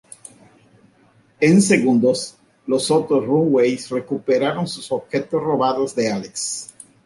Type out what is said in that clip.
En segundos, los otros Runaways recuperan sus objetos robados de Alex.